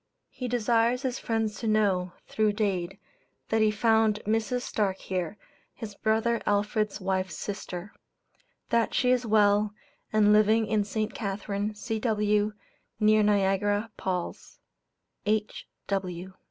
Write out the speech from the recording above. He desires his friends to know, through Dade, that he found Mrs. Starke here, his brother Alfred's wife's sister; that she is well, and living in St. Catharine, C.W., near Niagara Palls. H.